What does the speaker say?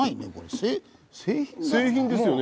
製品ですよね